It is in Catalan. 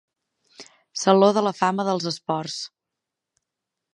Saló de la fama dels esports.